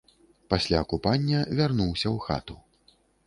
Пасля купання вярнуўся ў хату.